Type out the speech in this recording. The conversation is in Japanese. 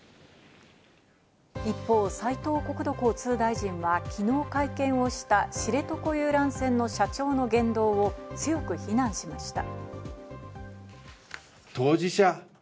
一方、斉藤国土交通大臣は昨日会見をした知床遊覧船の社長の言動を強く非難しました。